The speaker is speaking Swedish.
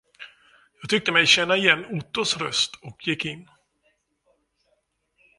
Jag tyckte mig känna igen Ottos röst och gick in.